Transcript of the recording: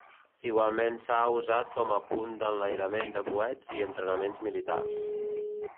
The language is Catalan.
Igualment s'ha usat com a punt d'enlairament de coets i entrenaments militars.